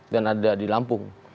dan ada di lampung